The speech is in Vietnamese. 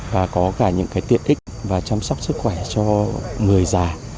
và có cả những cái tiện ích và chăm sóc sức khỏe cho người già